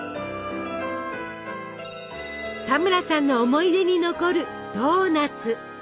田村さんの思い出に残るドーナツ。